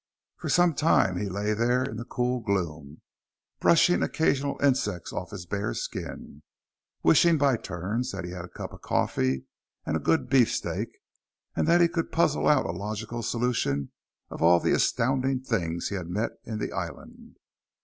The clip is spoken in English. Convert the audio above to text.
For some time he lay there in the cool gloom, brushing occasional insects off his bare skin, wishing by turns that he had a cup of coffee and a good beefsteak, and that he could puzzle out a logical solution of all the astounding things he had met in the island.